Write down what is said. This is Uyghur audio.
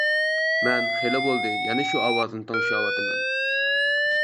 مەن خېلى بولدى يەنە شۇ ئاۋازنى تىڭشاۋاتىمەن.